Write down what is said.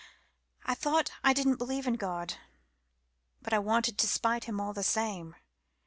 I thought I didn't believe in God, but I wanted to spite Him all the same.